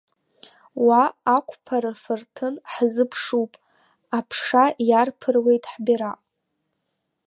Уа ақәԥара фырҭын ҳзыԥшуп, Аԥша иарԥыруеит ҳбираҟ.